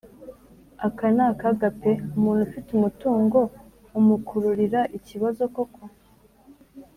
aka ni akaga pe! umuntu ufite umutungo umukururira ikibazo koko?